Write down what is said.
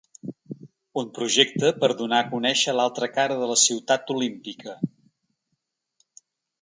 Un projecte per donar a conèixer l’altra cara de la ciutat olímpica.